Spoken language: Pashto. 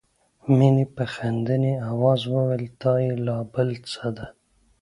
مينې په خندني آواز وویل دا یې لا بله څه ده